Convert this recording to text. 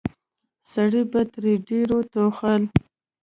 سړي به تر ډيرو ټوخل.